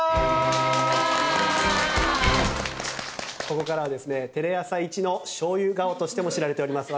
ここからはですねテレ朝一の醤油顔としても知られております